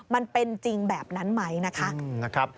มันเป็นจริงแบบนั้นไหมนะคะ